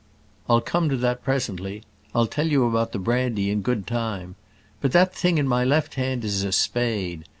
"I'll come to that presently. I'll tell you about the brandy in good time. But that thing in my left hand is a spade.